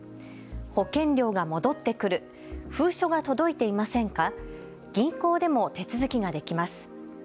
保険料が戻ってくる、封書が届いていませんか、銀行でも手続きができます。